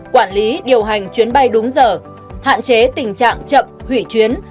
quản lý điều hành chuyến bay đúng giờ hạn chế tình trạng chậm hủy chuyến